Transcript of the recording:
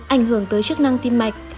ảnh hưởng tới chức năng tim mạch